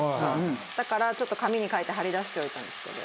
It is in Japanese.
だからちょっと紙に書いて貼り出しておいたんですけど。